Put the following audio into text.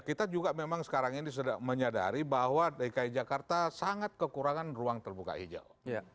kita juga memang sekarang ini sudah menyadari bahwa dki jakarta sangat kekurangan ruang terbuka hijau